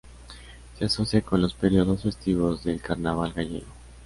Se asocia con los periodos festivos del carnaval gallego.